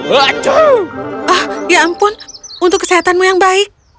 ya ampun untuk kesehatanmu yang baik